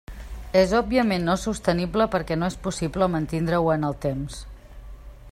És òbviament no sostenible perquè no és possible mantindre-ho en el temps.